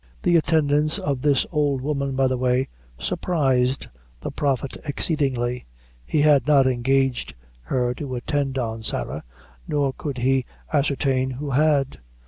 The attendance of this old woman, by the way, surprised the Prophet exceedingly. He had not engaged her to attend on Sarah, nor could he ascertain who had.